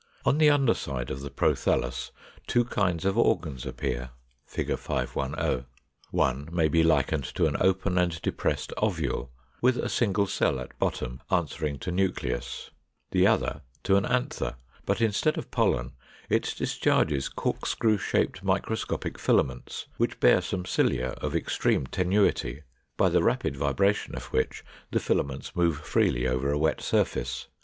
On the under side of the prothallus two kinds of organs appear (Fig. 510). One may be likened to an open and depressed ovule, with a single cell at bottom answering to nucleus; the other, to an anther; but instead of pollen, it discharges corkscrew shaped microscopic filaments, which bear some cilia of extreme tenuity, by the rapid vibration of which the filaments move freely over a wet surface.